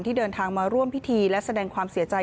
เดินทางมาร่วมพิธีและแสดงความเสียใจ